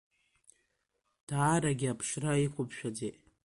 Даарагьы аԥшра иқәымшәаӡеит…